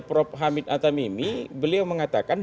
prof hamid atamimi beliau mengatakan